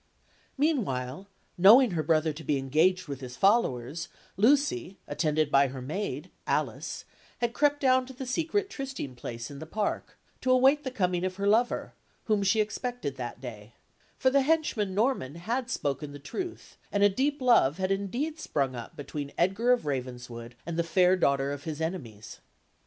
Meanwhile, knowing her brother to be engaged with his followers, Lucy, attended by her maid, Alice, had crept down to the secret trysting place in the park, to await the coming of her lover, whom she expected that day; for the henchman, Norman, had spoken the truth, and a deep love had indeed sprung up between Edgar of Ravenswood and the fair daughter of his enemies.